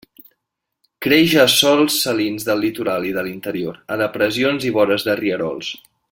Creix a sòls salins del litoral i de l'interior, a depressions i vores de rierols.